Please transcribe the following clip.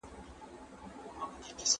پر ځان باور د بریا لومړنی ګام دی.